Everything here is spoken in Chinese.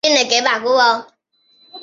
拿撒勒人耶稣是基督教的中心人物。